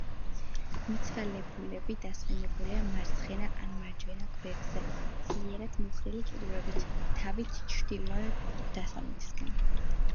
მიცვალებულები დასვენებულია მარცხენა ან მარჯვენა გვერდზე ძლიერად მოხრილი კიდურებით, თავით ჩრდილო-დასავლეთისკენ.